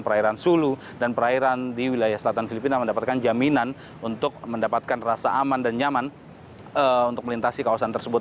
perairan sulu dan perairan di wilayah selatan filipina mendapatkan jaminan untuk mendapatkan rasa aman dan nyaman untuk melintasi kawasan tersebut